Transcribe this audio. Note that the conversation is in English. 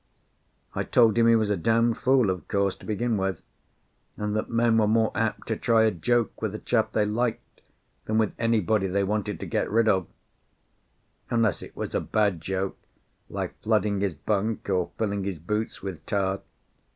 I told him he was a d d fool, of course, to begin with; and that men were more apt to try a joke with a chap they liked than with anybody they wanted to get rid of; unless it was a bad joke, like flooding his bunk, or filling his boots with tar.